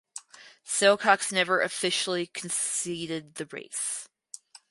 Silcox never officially conceded the race.